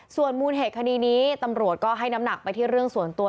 ส่วนมูลเหตุคดีนี้ตำรวจก็ให้น้ำหนักไปที่เรื่องส่วนตัว